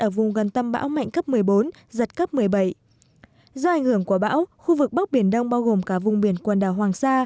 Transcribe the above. ở vùng gần tâm báo mạnh cấp một mươi bốn giật cấp một mươi bảy do ảnh hưởng của báo khu vực bắc biển đông bao gồm cả vùng biển quần đảo hoàng sa